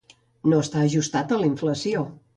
No està ajustat a la inflació.